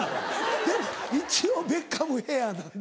でも一応ベッカムヘアなんだ。